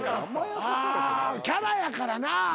キャラやからな。